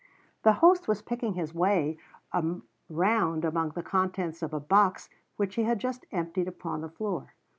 The host was picking his way around among the contents of a box which he had just emptied upon the floor.